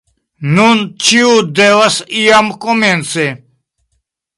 Nun, ĉiu devas iam komenci